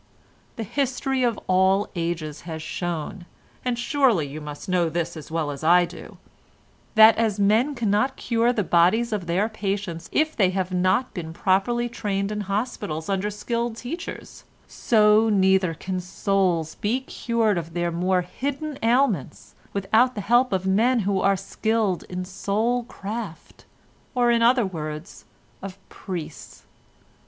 The history of all ages has shown—and surely you must know this as well as I do—that as men cannot cure the bodies of their patients if they have not been properly trained in hospitals under skilled teachers, so neither can souls be cured of their more hidden ailments without the help of men who are skilled in soul craft—or in other words, of priests.